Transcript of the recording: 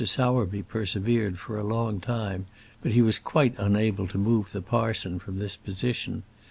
Sowerby persevered for a long time, but he was quite unable to move the parson from this position.